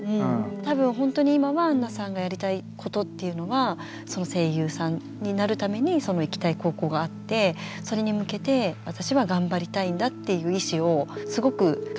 多分本当に今はあんなさんがやりたいことっていうのは声優さんになるためにその行きたい高校があってそれに向けて私は頑張りたいんだっていう意思をすごく感じ取ったんですけど。